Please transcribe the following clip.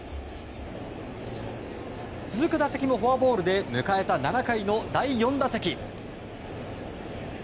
続く打席もフォアボールで迎えた７回の第４打席。